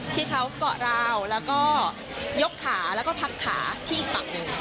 ที่เขาเกาะราวแล้วก็ยกขาแล้วก็พักขาที่อีกฝั่งหนึ่ง